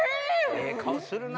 ええ顔するな。